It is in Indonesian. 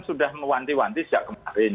sudah mewanti wanti sejak kemarin